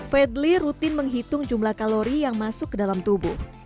pedley rutin menghitung jumlah kalori yang masuk ke dalam tubuh